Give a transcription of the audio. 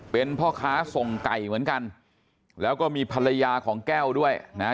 เป็นพ่อค้าส่งไก่เหมือนกันแล้วก็มีภรรยาของแก้วด้วยนะฮะ